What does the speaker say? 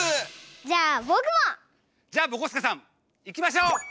じゃあぼくも！じゃあぼこすけさんいきましょう！